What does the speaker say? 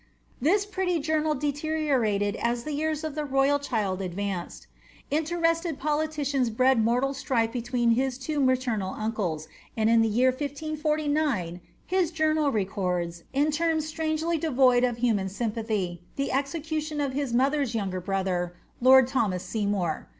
This pretty journal deteriorated as the years of the royal child ad vanced. Interested politicians bred mortal strife between his two maternal uncles, and in the year 1 549 his journal records, in terms strangely de void of human sympathy, the execution of his mother's younger brother, lord Thomas Seymour.